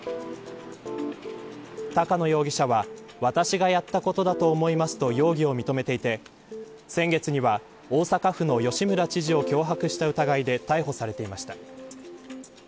高野容疑者は私がやったことだと思いますと容疑を認めていて先月には大阪府の吉村知事を脅迫した疑いで逮捕されていました。